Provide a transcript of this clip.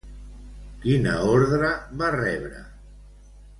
Quina ordre va rebre?